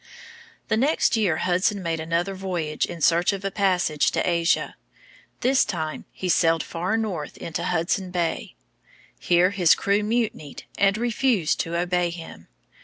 The next year Hudson made another voyage in search of a passage to Asia. This time he sailed far north into Hudson Bay. Here his crew mutinied and refused to obey him.